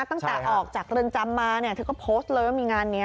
ตั้งแต่ออกจากเรือนจำมาเนี่ยเธอก็โพสต์เลยว่ามีงานนี้